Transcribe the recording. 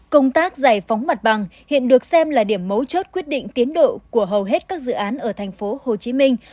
công tác giải phóng mặt bằng hiện được xem là điểm mấu chốt quyết định tiến độ của hầu hết các dự án ở thành phố hồ chí minh